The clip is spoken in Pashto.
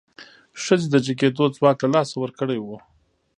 ښځې د جګېدو ځواک له لاسه ورکړی و.